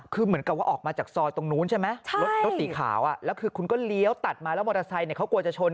คือเหมือนกับว่าออกมาจากซอยตรงนู้นใช่ไหมรถสีขาวแล้วคือคุณก็เลี้ยวตัดมาแล้วมอเตอร์ไซค์เขากลัวจะชน